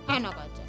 eh enak aja